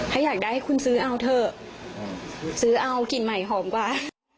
ถ้าอยากได้คุณซื้อเอาเถอะซื้อเอากลิ่นใหม่หอมกว่า